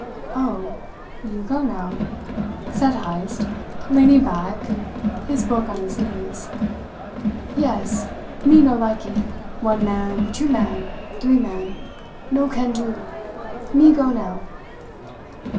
"Oh! You go now?" said Heyst, leaning back, his book on his knees. "Yes. Me no likee. One man, two man, three man no can do! Me go now."